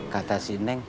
kata si neng